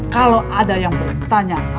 kalo ada yang bertanya